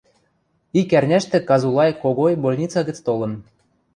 Ик ӓрняштӹ Казулай Когой больница гӹц толын.